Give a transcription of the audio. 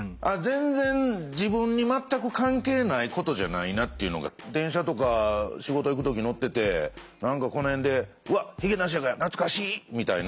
全然自分に全く関係ないことじゃないなっていうのが電車とか仕事行く時に乗ってて何かこの辺で「うわっ髭男爵や。懐かしい」みたいな。